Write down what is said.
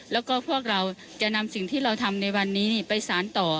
แล้วก็พวกเราจะนำสิ่งที่เราทำในวันนี้ไปสารต่อ